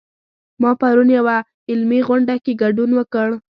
ما پرون یوه علمي غونډه کې ګډون وکړ